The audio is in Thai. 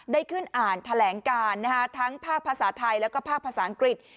ได้ขึ้นอ่านแถลงการทั้งภาคภาษาไทยแล้วก็ภาคภาษาอังกฤษ